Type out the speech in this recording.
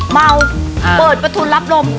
เมาเปิดประทุนรับลม